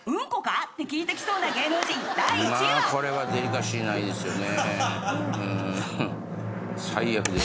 これはデリカシーないですよね。